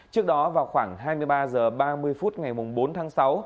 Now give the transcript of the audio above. trước đó vào khoảng hai mươi ba h ba mươi phút ngày bốn tháng sáu